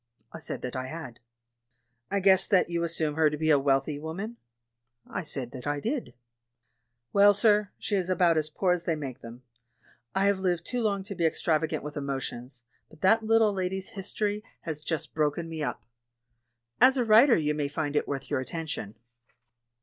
I said that I had. "I guess that you assume her to be a wealthy woman?" I said that I did. "Well, sir, she is about as poor as they make them. I have lived too long to be extravagant with emotions, but that little lady's history has THE WOAIAN WHO WISHED TO DIE 43 just broken me up. As a writer you may find it worth your attention.